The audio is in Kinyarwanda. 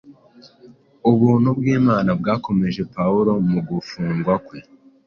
Ubuntu bw’Imana bwakomeje Pawulo mu gufungwa kwe,